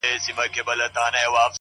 انسان حیوان دی حیوان انسان دی